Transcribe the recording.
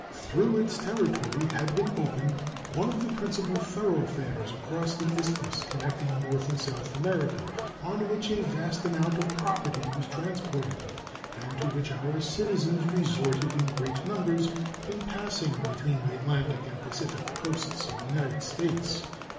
Through its territory had been opened one of the principal thoroughfares across the isthmus connecting North and South America, on which a vast amount of property was transported and to which our citizens resorted in great numbers in passing between the Atlantic and Pacific coasts of the United States.